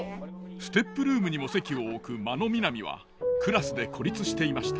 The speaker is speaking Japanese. ＳＴＥＰルームにも籍を置く真野みなみはクラスで孤立していました。